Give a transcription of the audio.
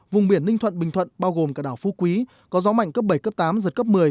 vùng biển ninh thuận bình thuận bao gồm cả đảo phú quý có gió mạnh cấp bảy cấp tám giật cấp một mươi